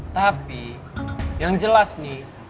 tapi yang jelas nih